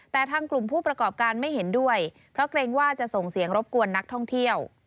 แต่ทางกลุ่มผู้ประกอบการไม่เห็นด้วยเพราะเกรงว่าจะส่งเสียงรบกวนนักท่องเที่ยว